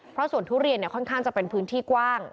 เพราะสวนทุเรียนค่อนข้างจะเป็นพื้นที่กว้าง